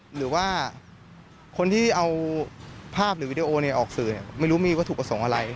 หรือว่าคนที่เอาภาพหรือวิดีโอออกสื่อไม่รู้มีวัตถุประสงค์อะไร